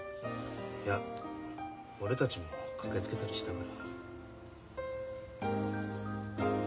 いや俺たちも駆けつけたりしたから。